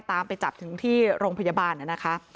ไปจับถึงที่โรงพยาบาลนะคะ